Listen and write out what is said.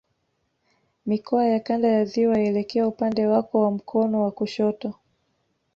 Mikoa ya Kanda ya Ziwa elekea upande wako wa mkono wa kushoto